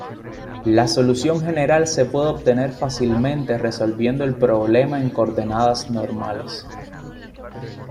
La solución general se puede obtener fácilmente resolviendo el problema en coordenadas normales.